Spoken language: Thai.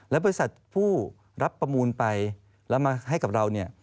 และบริษัทผู้รับประมูลไปแล้วมาให้กับเราเนี่ย